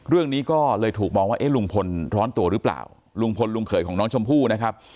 เรื่องนี้ก็เลยถูกมองว่าเอ๊ะลุงพลร้อนตัวหรือเปล่าลุงพลลุงเขยของน้องชมพู่นะครับ